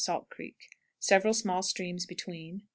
Salt Creek. Several small streams between.